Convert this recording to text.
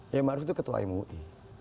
ya maruf itu ketua mui